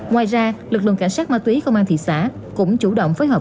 ngoài ra lực lượng cảnh sát ma túy công an thị xã cũng chủ động phối hợp